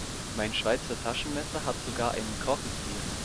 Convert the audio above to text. Mein Schweizer Taschenmesser hat sogar einen Korkenzieher.